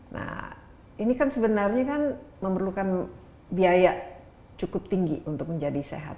nah ini kan sebenarnya kan memerlukan biaya cukup tinggi untuk menjadi sehat